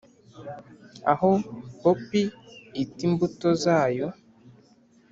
aho poppy ita imbuto zayo